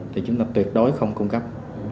thì chúng ta tuyệt đối không cung cấp